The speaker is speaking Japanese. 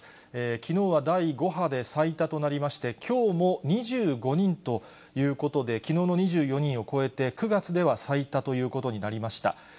きのうは第５波で最多となりまして、きょうも２５人ということで、きのうの２４人を超えて、９月では最多ということになりました。